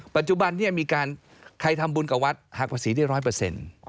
ปัจจุบันนี้มีการใครทำบุญกับวัดหักภาษีได้ร้อยเปอร์เซ็นต์